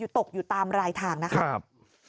ตกอยู่ตามรายทางนะครับ